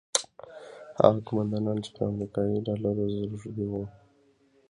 هغه قوماندانان چې پر امریکایي ډالرو روږدي وو.